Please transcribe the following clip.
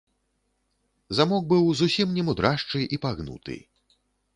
Замок быў зусім немудрашчы і пагнуты.